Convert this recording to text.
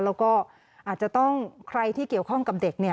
แล้วก็อาจจะต้องใครที่เกี่ยวข้องกับเด็กเนี่ย